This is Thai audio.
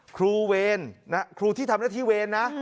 เวรครูที่ทำหน้าที่เวรนะ